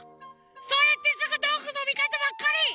そうやってすぐどんぐーのみかたばっかり！